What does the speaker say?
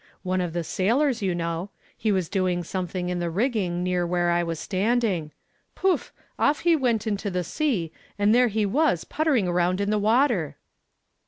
"One of the sailors, you know. He was doing something in the rigging near where I was standing. Puff! off he went into the sea, and there he was puttering around in the water."